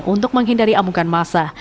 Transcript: untuk menghindari amukan massa